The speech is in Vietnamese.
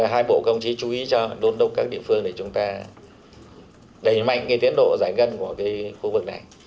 hai bộ công trí chú ý cho đôn đốc các địa phương để chúng ta đẩy mạnh cái tiến độ giải ngân của khu vực này